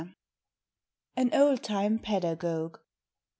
An Old Time Pedagogue.